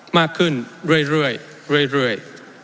มากขึ้นเรื่อย